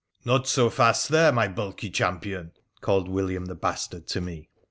Not so fast there, my bulky champion !' called William the Eastard to me.